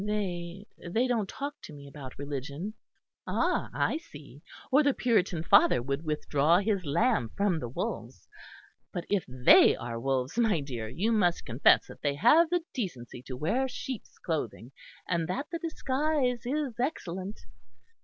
"They they don't talk to me about religion." "Ah! I see; or the Puritan father would withdraw his lamb from the wolves. But if they are wolves, my dear, you must confess that they have the decency to wear sheep's clothing, and that the disguise is excellent."